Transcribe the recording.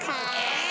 え！